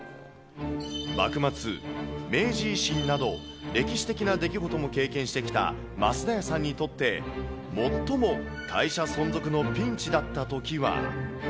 幕末、明治維新など、歴史的な出来事も経験してきた増田屋さんにとって、最も会社存続のピンチだったときは。